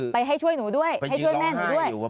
ไปให้ช่วยหนูด้วยให้ช่วยแม่หนูด้วย